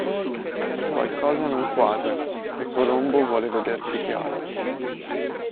Qualcosa non quadra e Colombo vuole vederci chiaro.